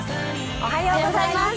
おはようございます。